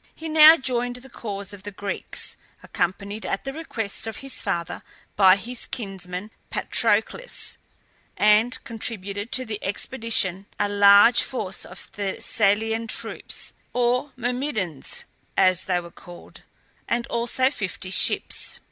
He now joined the cause of the Greeks, accompanied at the request of his father by his kinsman Patroclus, and contributed to the expedition a large force of Thessalian troops, or Myrmidons, as they were called, and also fifty ships.